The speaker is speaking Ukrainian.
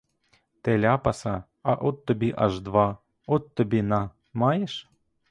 Ти ляпаса, а от тобі аж два, от тобі, на, маєш!